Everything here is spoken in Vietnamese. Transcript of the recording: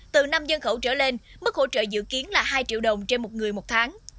từ năm dân khẩu trở lên mức hỗ trợ dự kiến là hai triệu đồng trên một người một tháng